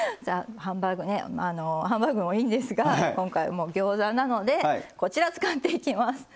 ハンバーグねハンバーグもいいんですが今回はギョーザなのでこちら使っていきます。